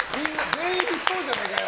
全員そうじゃねえかよ。